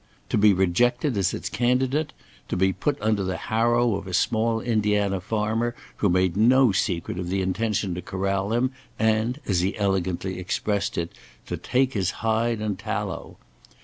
To be rejected as its candidate; to be put under the harrow of a small Indiana farmer who made no secret of the intention to "corral" him, and, as he elegantly expressed it, to "take his hide and tallow."